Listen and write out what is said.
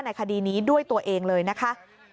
คดีนี้ด้วยตัวเองเลยนะคะ